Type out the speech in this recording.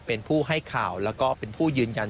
เป็นผู้ให้ข่าวแล้วก็เป็นผู้ยืนยัน